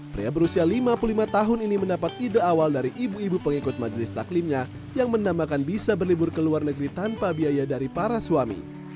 pria berusia lima puluh lima tahun ini mendapat ide awal dari ibu ibu pengikut majelis taklimnya yang menamakan bisa berlibur ke luar negeri tanpa biaya dari para suami